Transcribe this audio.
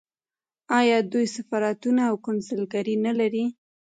آیا دوی سفارتونه او کونسلګرۍ نلري؟